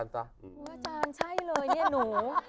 อาจารย์ใช่เลยเนี่ยหนู